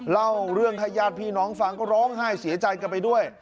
เล่าเรื่องให้ญาติพี่น้องฟังก็ร้องไห้เสียใจกันไปด้วย